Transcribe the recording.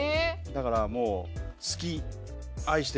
だからもう。